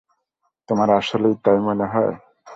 তোমার আসলেই তাই মনে হয়?